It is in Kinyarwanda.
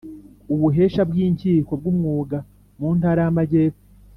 ubuhesha bw inkiko bw umwuga mu ntara y amajyepfo